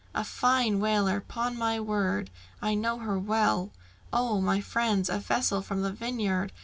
A fine whaler, 'pon my word; I know her well! Oh, my friends, a vessel from the Vineyard!